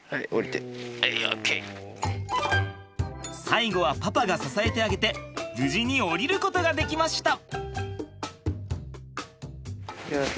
最後はパパが支えてあげて無事に降りることができました！